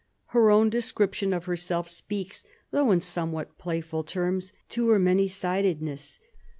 Her own description of herself speaks, though in somewhat playful terms, to her many sidedness.